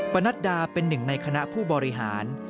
ปนัดดาเป็นหนึ่งในคณะผู้บริหาร